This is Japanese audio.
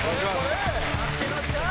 待ってました！